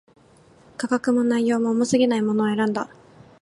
価格も、内容も、重過ぎないものを選んだ